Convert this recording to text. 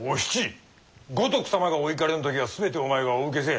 五徳様がお怒りの時は全てお前がお受けせえ。